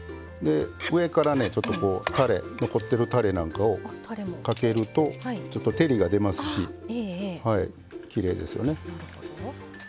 上からねちょっとこうたれ残ってるたれなんかをかけるとちょっと照りが出ますしきれいですよね。